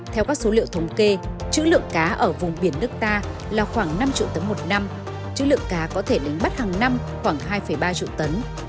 theo các số liệu thống kê chữ lượng cá ở vùng biển nước ta là khoảng năm triệu tấn một năm chữ lượng cá có thể đánh bắt hàng năm khoảng hai ba triệu tấn